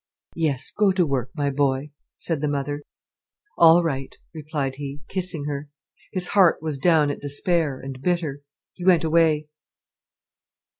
"Yes, go to work, my boy," said the mother. "All right," replied he, kissing her. His heart was down at despair, and bitter. He went away.